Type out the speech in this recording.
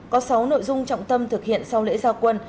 có sáu nội dung trọng tâm thực hiện sau lễ giao quân